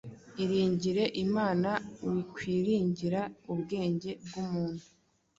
Iringire Imana, wikwiringira ubwenge bw’umuntu